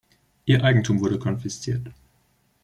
Ihr Eigentum wurde konfisziert.